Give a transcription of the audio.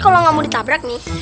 kalau kamu ditabrak nih